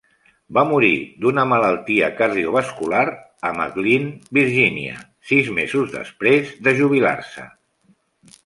Va morir d'una malaltia cardiovascular a McLean, Virgínia, sis mesos després de jubilar-se.